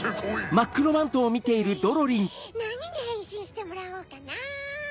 うんなににへんしんしてもらおうかな？